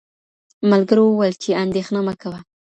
ملګرو وویل چې اندېښنه مه کوه.